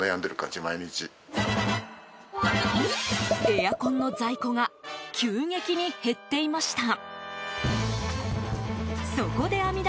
エアコンの在庫が急激に減っていました。